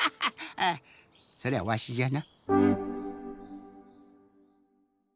あそれはわしじゃな。